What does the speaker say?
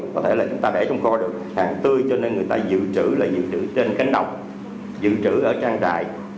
có thể là chúng ta để trong kho được hàng tươi cho nên người ta dự trữ lại dự trữ trên cánh đồng dự trữ ở trang trại